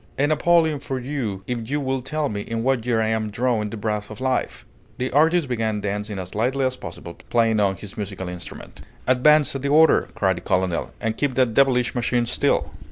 A napoleon for you if you will tell me in what year I am drawing the breath of life!" The artist began dancing as lightly as possible, playing on his musical instrument. "Advance at the order!" cried the colonel, "and keep that devilish machine still!"